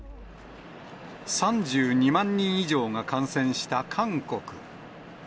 ３２万人以上が感染した韓国。